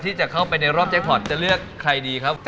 ที่จะเข้าไปในรอบแจ็คพอร์ตจะเลือกใครดีครับ